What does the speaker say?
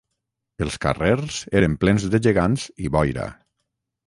Els carrers eren plens de gegants i boira